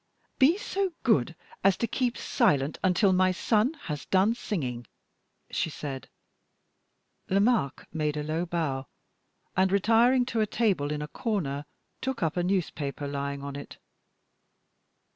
"Be so good as to keep silent until my son has done singing," she said. Lomaque made a low bow, and retiring to a table in a corner, took up a newspaper lying on it.